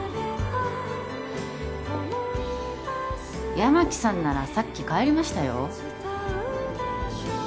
八巻さんならさっき帰りましたよ